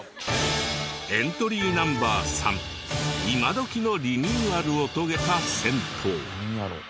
エントリーＮｏ．３今どきのリニューアルを遂げた銭湯。